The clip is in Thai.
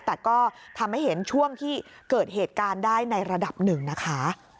แต่ก็ทำให้เห็นช่วงที่เกิดเหตุการณ์ได้ในระดับหนึ่งนะคะ